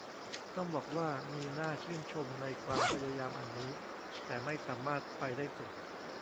ต้องบอกว่ามีน่าชื่นชนในความพยายามอันนี้ แต่ไม่สามารถไปได้สุด